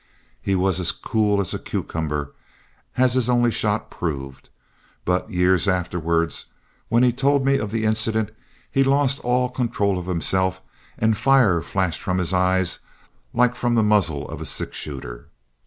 He was as cool as a cucumber, as his only shot proved, but years afterward when he told me of the incident, he lost all control of himself, and fire flashed from his eyes like from the muzzle of a six shooter.